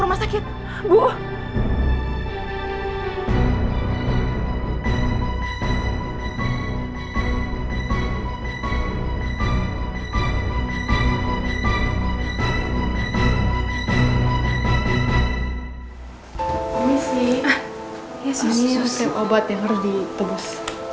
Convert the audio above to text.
ini obat yang harus ditebus